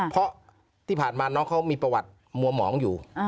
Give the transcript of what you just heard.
เพราะที่ผ่านมาน้องเขามีประวัติมัวหมองอยู่